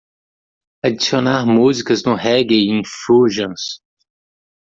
adicionar músicas no Reggae Infusions